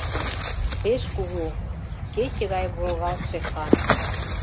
— Пеш кугу, кече гай волгалтше хан!